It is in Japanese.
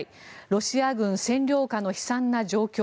ロシア軍占領下の悲惨な状況